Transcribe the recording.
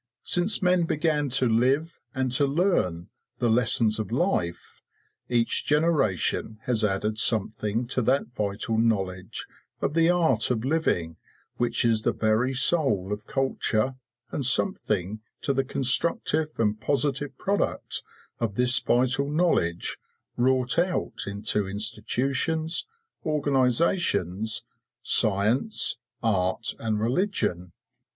Since men began to live and to learn the lessons of life, each generation has added something to that vital knowledge of the art of living which is the very soul of culture, and something to the constructive and positive product of this vital knowledge wrought out into institutions, organisations, science, art, and religion.